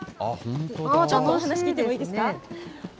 ちょっとお話聞いてもいいですか？